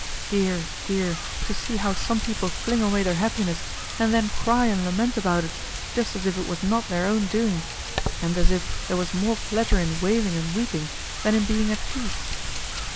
Dear dear! to see how some people fling away their happiness, and then cry and lament about it, just as if it was not their own doing, and as if there was more pleasure in wailing and weeping, than in being at peace.